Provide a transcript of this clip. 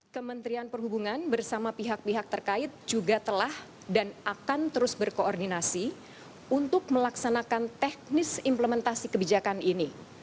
kementerian perhubungan bersama pihak pihak terkait juga telah dan akan terus berkoordinasi untuk melaksanakan teknis implementasi kebijakan ini